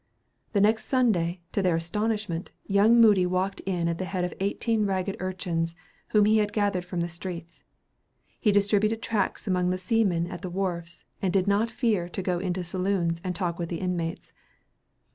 The next Sunday, to their astonishment, young Moody walked in at the head of eighteen ragged urchins whom he had gathered from the streets. He distributed tracts among the seamen at the wharfs, and did not fear to go into saloons and talk with the inmates.